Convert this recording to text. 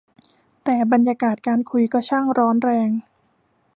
แต่บรรยากาศการคุยก็ช่างร้อนแรง